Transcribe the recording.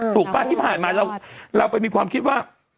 ป่ะที่ผ่านมาเราไปมีความคิดว่า